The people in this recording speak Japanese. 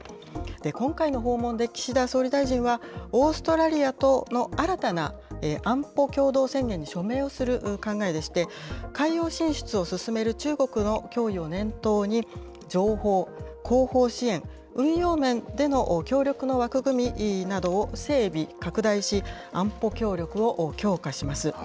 今回の訪問で岸田総理大臣は、オーストラリアとの新たな安保共同宣言に署名をする考えでして、海洋進出を進める中国の脅威を念頭に、情報、後方支援、運用面での協力の枠組みなどを整備、拡大し、安保協力を強化します。